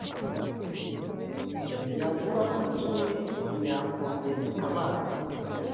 yaburamo kimwe ntiyakongeza itabaza